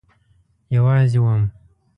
یوازی وم